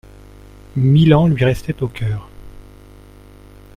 Milan lui restait au coeur.